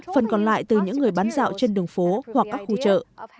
phần còn lại từ những người bán dạo trên đường phố hoặc các khu chợ